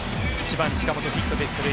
１番、近本ヒットで出塁。